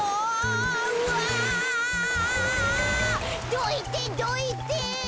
どいてどいて！